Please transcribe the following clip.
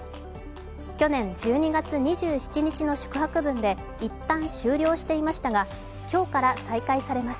去年１２月２７日の宿泊分でいったん終了していましたが、今日から再開されます。